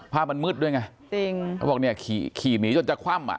ภาพมันมืดด้วยไงจริงเขาบอกเนี่ยขี่ขี่หนีจนจะคว่ำอ่ะ